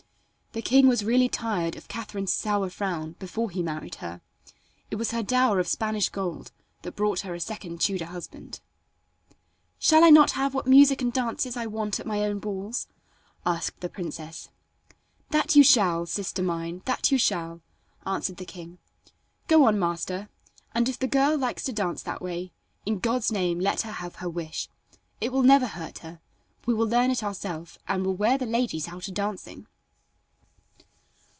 The king was really tired of Catherine's sour frown before he married her. It was her dower of Spanish gold that brought her a second Tudor husband. "Shall I not have what music and dances I want at my own balls?" asked the princess. "That you shall, sister mine; that you shall," answered the king. "Go on master, and if the girl likes to dance that way, in God's name let her have her wish. It will never hurt her; we will learn it ourself, and will wear the ladies out a dancing."